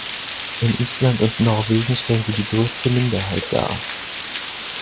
In Island und Norwegen stellen sie die größte Minderheit dar.